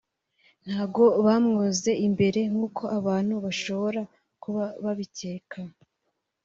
ntabwo bamwoze imbere nk’uko abantu bashobora kuba babicyeka